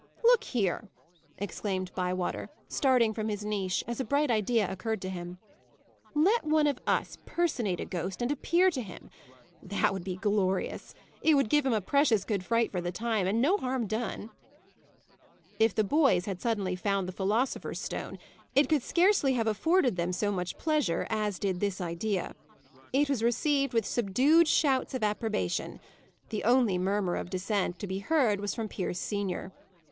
"Look here!" exclaimed Bywater, starting from his niche, as a bright idea occurred to him. "Let one of us personate a ghost, and appear to him! That would be glorious! It would give him a precious good fright for the time, and no harm done." If the boys had suddenly found the philosopher's stone, it could scarcely have afforded them so much pleasure as did this idea. It was received with subdued shouts of approbation: the only murmur of dissent to be heard was from Pierce senior.